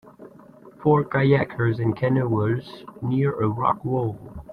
Four kayakers and canoers near a rock wall.